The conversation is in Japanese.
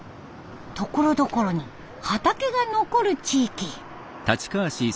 ところどころに畑が残る地域。